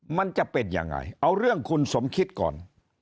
มันจะเป็นยังไงเอาเรื่องคุณสมคิดก่อน